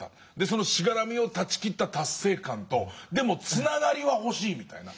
そのしがらみを断ち切った達成感とでもつながりは欲しいみたいな。